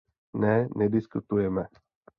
Ne, nediskutujeme!